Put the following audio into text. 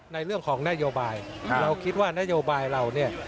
ในเรื่องของนโยบายเราคิดว่านโยบายเราเนี่ย